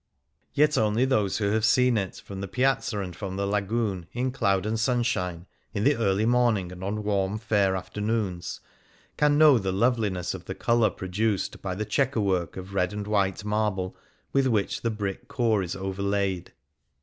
Yet only those who have seen it from the Piazza and from the Lagoon, in cloud and sunshine, in the early morning and on warm, fair afternoons, can know the loveliness of the colour produced by the chequer work of red and white marble with which the brick core is overlaid.